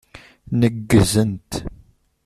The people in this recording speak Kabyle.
Neggzent.